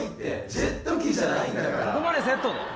ここまでセットで？